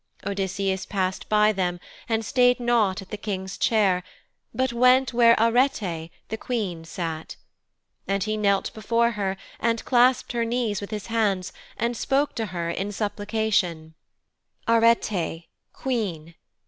Odysseus passed by them, and stayed not at the King's chair, but went where Arete, the Queen, sat. And he knelt before her and clasped her knees with his hands and spoke to her in supplication: 'Arete, Queen!